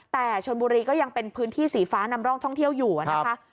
แต่ชนบุรีก็ยังเป็นพื้นที่สีฟ้านำร่องท่องเที่ยวอยู่นะคะ